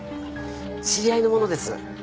知り合いの者です